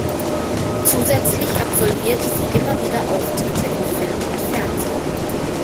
Zusätzlich absolvierte sie immer wieder Auftritte in Film und Fernsehen.